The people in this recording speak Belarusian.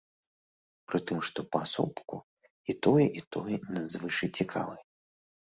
Пры тым, што паасобку, і тое, і тое надзвычай цікавае.